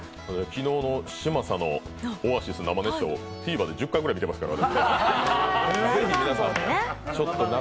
昨日の嶋佐のオアシスの生演奏、Ｔｖｅｒで１０回ぐらい見てますから。